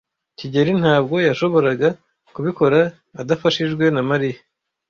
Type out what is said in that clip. kigeli ntabwo yashoboraga kubikora adafashijwe na Mariya.